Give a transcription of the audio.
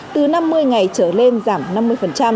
từ năm mươi ngày trở lên giảm năm mươi